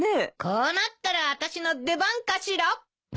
こうなったらあたしの出番かしら。